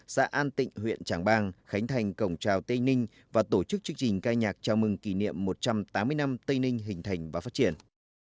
xã an tịnh huyện tràng bàng khánh thành cổng trào tây ninh và tổ chức chương trình ca nhạc chào mừng kỷ niệm một trăm tám mươi năm tây ninh hình thành và phát triển